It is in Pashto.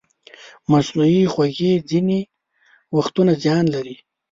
مصنوعي خوږې ځینې وختونه زیان لري.